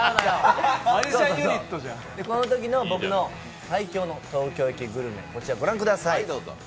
このときの僕の最強の東京駅グルメ、こちら、御覧ください。